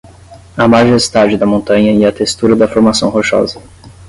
A majestade da montanha e a textura da formação rochosa